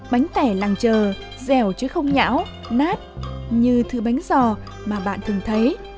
bánh tẻ làng trờ dẻo chứ không nhão nát như thứ bánh giò mà bạn thường thấy